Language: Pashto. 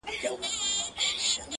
له شپږو مياشتو څه درد ،درد يمه زه.